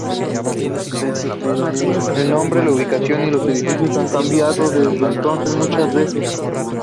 El nombre, la ubicación y los edificios han cambiado desde entonces muchas veces.